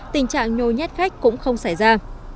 tình trạng nhồi nhét khách cũng không xảy ra